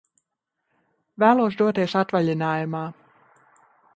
Vēlos doties atvaļinājumā!